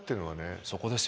そこですよね。